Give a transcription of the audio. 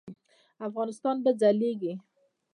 افغانستان به ځلیږي؟